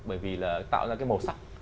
bởi vì là tạo ra cái màu sắc